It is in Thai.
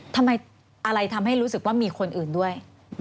ทำไมอะไรทำให้รู้สึกว่ามีคนอื่นด้วย